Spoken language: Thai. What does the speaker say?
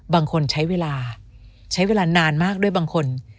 บางคนใช้เวลาใช้เวลานานมากด้วยบางคน